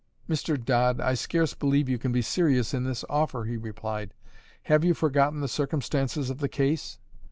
"Mr. Dodd, I scarce believe you can be serious in this offer," he replied. "Have you forgotten the circumstances of the case?